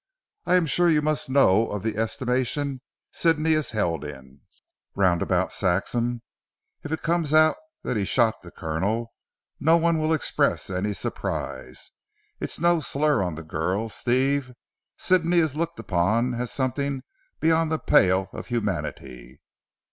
I am sure you must know of the estimation Sidney is held in, round about Saxham. If it comes out that he shot the Colonel, no one will express any surprise. It's no slur on the girls, Steve. Sidney is looked upon as something beyond the pale of humanity."